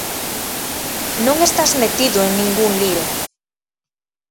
_Non estás metido en ningún lío.